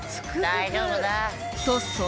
大丈夫だ。